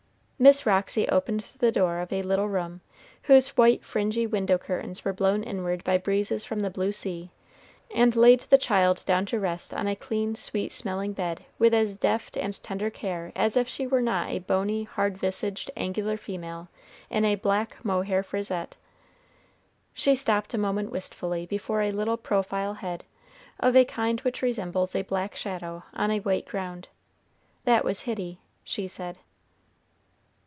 Miss Roxy opened the door of a little room, whose white fringy window curtains were blown inward by breezes from the blue sea, and laid the child down to rest on a clean sweet smelling bed with as deft and tender care as if she were not a bony, hard visaged, angular female, in a black mohair frisette. She stopped a moment wistfully before a little profile head, of a kind which resembles a black shadow on a white ground. "That was Hitty!" she said.